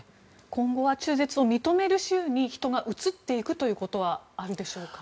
今後は、中絶を認める州に人が移っていくということはあるでしょうか。